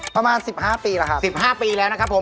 ประมาณ๑๕ปีแล้วครับ๑๕ปีแล้วนะครับผม